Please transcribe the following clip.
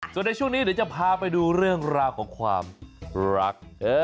ส่วนในช่วงนี้เดี๋ยวจะพาไปดูเรื่องราวของความรัก